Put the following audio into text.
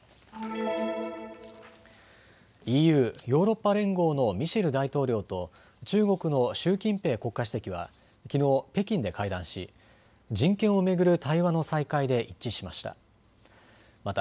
ＥＵ・ヨーロッパ連合のミシェル大統領と中国の習近平国家主席はきのう北京で会談し、人権を巡る対話の再開で一致しました。